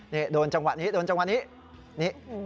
นี่โดนจังหวะนี้โดนจังหวะนี้นี่